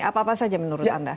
apa apa saja menurut anda